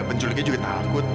penculiknya juga takut